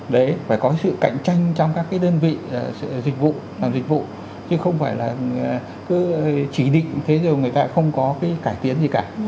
đấy phải có sự cạnh tranh trong các cái đơn vị dịch vụ làm dịch vụ chứ không phải là cứ chỉ định thế rồi người ta không có cái cải tiến gì cả